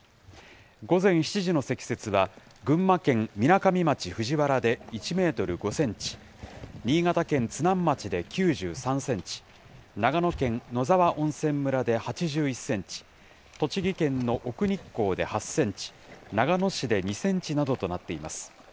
午前７時の積雪は、群馬県みなかみ町藤原で１メートル５センチ、新潟県津南町で９３センチ、長野県野沢温泉村で８１センチ、栃木県の奥日光で８センチ、長野市で２センチなどとなっています。